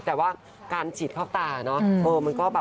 แต่ว่าการฉีดพ่อตาเนอะมันก็แบบ